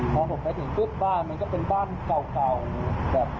พอผมไปถึงบ้านมันจะเป็นบ้านเก่า